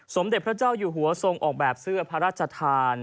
สมเด็จพระเจ้าอยู่หัวทรงออกแบบเสื้อพระราชทาน